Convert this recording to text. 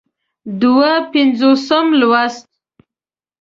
دوه پينځوسم لوست